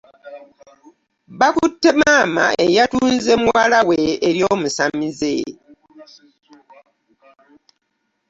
Bakutte maama eyatunze muwala we eri omusamize.